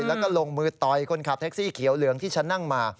แล้วก็ลงมือต่อยคนขับแท็กซี่เขียวเหลืองที่ฉันนั่งมา